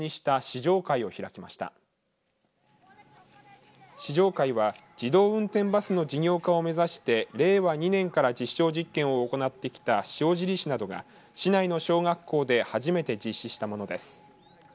試乗会は自動運転バスの事業化を目指して令和２年から実証実験を行ってきた塩尻市などが市内の小学校で初めて実施したものです。